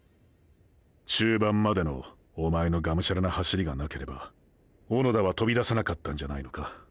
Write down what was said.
中盤までのおまえのがむしゃらな走りがなければ小野田はとびださなかったんじゃないのか。